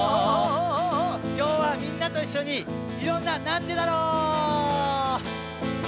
きょうはみんなといっしょにいろんな「なんでだろう」！